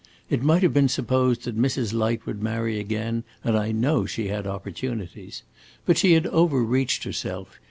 It might have been supposed that Mrs. Light would marry again, and I know she had opportunities. But she overreached herself.